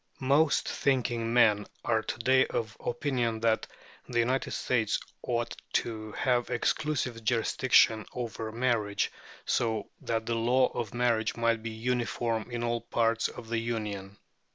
Most thinking men are to day of opinion that the United States ought to have exclusive jurisdiction of marriage, so that the law of marriage might be uniform in all parts of the Union.